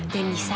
dan di sana